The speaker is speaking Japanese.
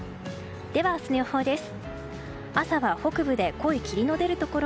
明日の予報です。